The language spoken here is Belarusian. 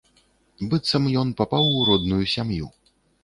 Быццам ён папаў у родную сям'ю.